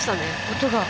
音が。